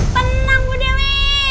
tenang bu dewi